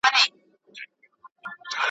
خان پر آس باند پښه واړول تیار سو `